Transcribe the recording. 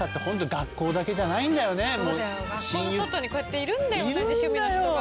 学校の外にこうやっているんだよ同じ趣味の人が。